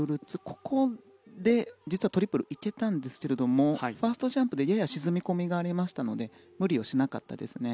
ここで実はトリプル行けたんですけれどファーストジャンプでやや沈み込みがありましたので無理をしなかったですね。